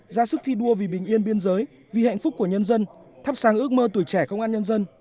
ra sức thi đua vì bình yên biên giới vì hạnh phúc của nhân dân thắp sáng ước mơ tuổi trẻ công an nhân dân